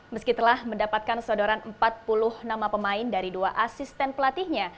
meski telah mendapatkan sodoran empat puluh nama pemain dari dua asisten pelatihnya